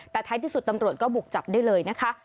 แต่ท้ายที่สุดตำรวจก็บุกจับได้เลยนะคะ